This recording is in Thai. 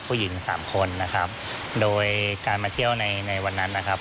ผู้หญิงสามคนนะครับโดยการมาเที่ยวในในวันนั้นนะครับ